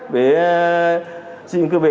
về sự cấp phép